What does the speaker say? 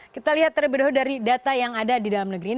kita lihat terlebih dahulu dari data yang ada di dalam negeri ini